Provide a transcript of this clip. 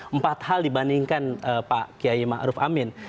empat hal dibandingkan pak kiai ma'ruf amin